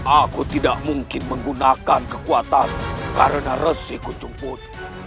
aku tidak mungkin menggunakan kekuatannya karena resiko cumput